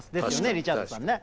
リチャードさんね。